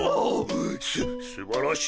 すすばらしい！